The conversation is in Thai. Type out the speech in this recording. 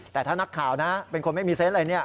แต่ถ้านักข่าวนะเป็นคนไม่มีเซนต์อะไรเนี่ย